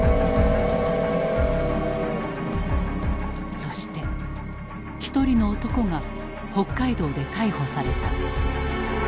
そして一人の男が北海道で逮捕された。